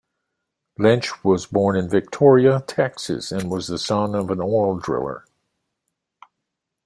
Lynch was born in Victoria, Texas and was the son of an oil driller.